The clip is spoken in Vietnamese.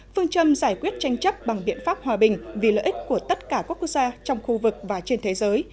phương châm giải quyết tranh chấp bằng biện pháp hòa bình vì lợi ích của tất cả các quốc gia trong khu vực và trên thế giới